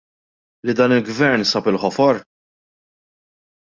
Li dan il-Gvern sab il-ħofor?